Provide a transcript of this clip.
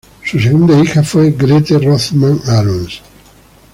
Su segunda hija fue Grete Rothmann-Arons.